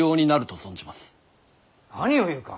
何を言うか。